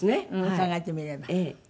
考えてみれば。